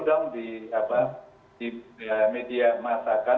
jangan dulu dong di media masyarakat